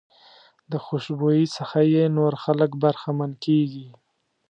د خوشبويۍ څخه یې نور خلک برخمن کېږي.